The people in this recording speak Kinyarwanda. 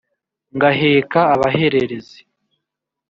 ngaheka abahererezi